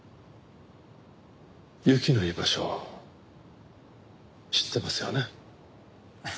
侑希の居場所知ってますよね？